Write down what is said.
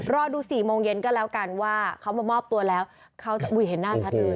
รอดู๔โมงเย็นก็แล้วกันว่าเขามามอบตัวแล้วเขาเห็นหน้าชัดเลย